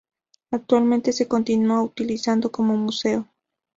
Actualmente se continúa utilizando como museo.